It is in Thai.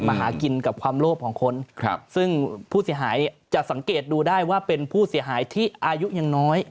หากินกับความโลภของคนซึ่งผู้เสียหายจะสังเกตดูได้ว่าเป็นผู้เสียหายที่อายุยังน้อย